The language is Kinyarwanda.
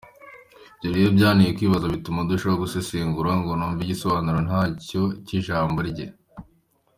Ibyo rero byanteye kwibaza, bituma ndushaho gusesengura ngo numve igisobanuro nyacyo cy’ijambo rye.